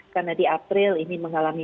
karena di april ini mengalami